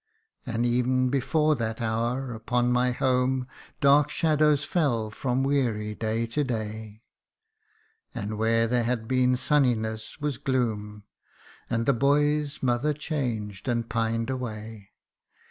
And ev'n before that hour, upon my home Dark shadows fell from weary day to day ; And where there had been sunniness, was gloom And that boy's mother changed and pined away.